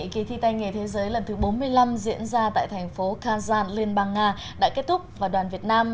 kỳ thi tay nghề thế giới lần thứ bốn mươi năm diễn ra tại thành phố kazan liên bang nga đã kết thúc và đoàn việt nam